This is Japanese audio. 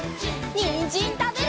にんじんたべるよ！